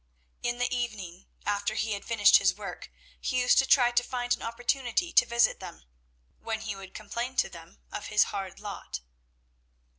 In the evening, after he had finished his work, he used to try to find an opportunity to visit them, when he would complain to them of his hard lot.